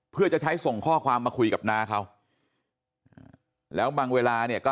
เพื่อจะใช้ส่งข้อความมาคุยกับน้าเขาแล้วบางเวลาเนี่ยก็